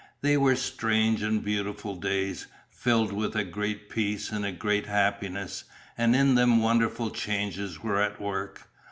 They were strange and beautiful days, filled with a great peace and a great happiness, and in them wonderful changes were at work.